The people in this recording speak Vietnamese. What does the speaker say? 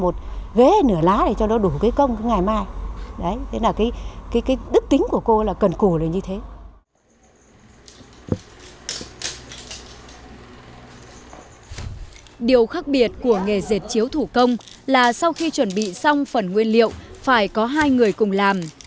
thông thường là sau khi chuẩn bị xong phần nguyên liệu phải có hai người cùng làm